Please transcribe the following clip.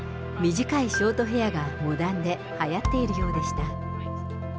短いショートヘアがモダンではやっているようでした。